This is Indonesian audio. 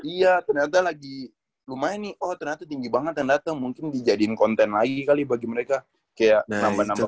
iya ternyata lagi lumayan nih oh ternyata tinggi banget yang datang mungkin dijadiin konten lagi kali bagi mereka kayak nambah nambah